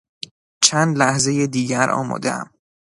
چند لحظهی دیگر آمادهام.